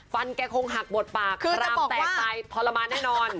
ฟันแกคงหักหมดปากคลามแตกตายพรมานให้นอน